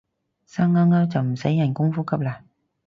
生勾勾就唔使人工呼吸啦